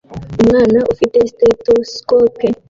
Umwana ufite stethoscope